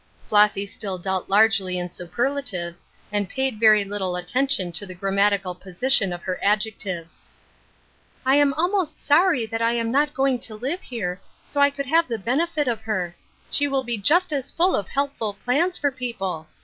Flossy still dealt largely in superlatives, and naid vftrv littlft attention to the orrammatical do A Cross of Lead. 61 sitiou of her adjectives. '^ I am almost sorry that I am not going to live here, so I could have the benefit of her; she will be just as full of helpful plans for people !